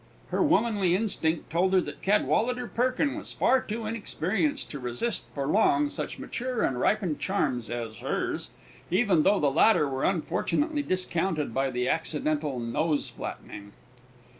Her womanly instinct told her that Cadwallader Perkin was far too inexperienced to resist for long such mature and ripened charms as hers even though the latter were unfortunately discounted by the accidental nose flattening.